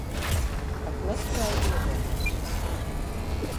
Pat nespēj iedomāties.